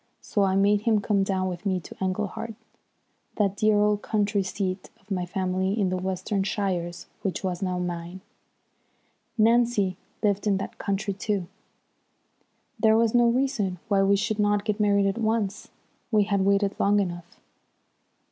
So I made him come down with me to Englehart, that dear old country seat of my family in the Western shires which was now mine. Nancy lived in that country, too. There was no reason why we should not get married at once. We had waited long enough.